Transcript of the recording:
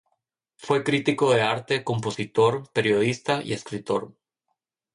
Fue crítico de arte, compositor, periodista y escritor.